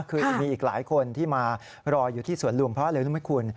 คือยังมีอีกหลายคนที่มารออยู่ที่สวนลุมเพราะอะไรรู้ไหมคุณ